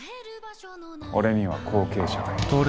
俺には後継者がいる。